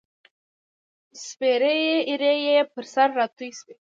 سپیرې ایرې یې پر سر راتوی شوې